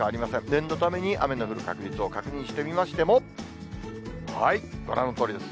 念のために雨の降る確率を確認してみましても、ご覧のとおりです。